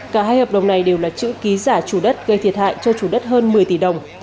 cả hai hợp đồng này đều là chữ ký giả chủ đất gây thiệt hại cho chủ đất hơn một mươi tỷ đồng